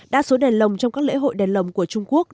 đa số đèn lồng trong các lễ hội đèn lồng của trung quốc